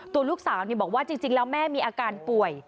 ตัวลูกสาวบอกว่าจริงแล้วแม่มีอาการป่วย